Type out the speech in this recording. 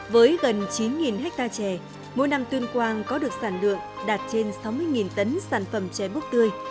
với gần chín ha trẻ mỗi năm tuyên quang có được sản lượng đạt trên sáu mươi tấn sản phẩm trẻ búc tươi